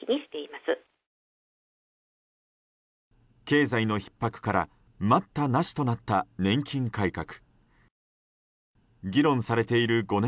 経済のひっ迫から待ったなしとなった年金改革。